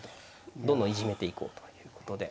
どんどんいじめていこうということで。